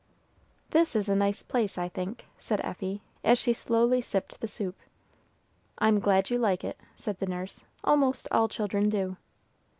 "This is a nice place I think," said Effie, as she slowly sipped the soup. "I'm glad you like it," said the nurse, "almost all children do."